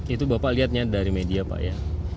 itu bapak lihatnya dari media pak ya